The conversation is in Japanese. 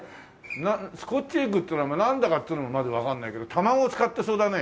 スコッチエッグっていうのはなんだかっていうのもまずわかんないけど卵を使ってそうだね。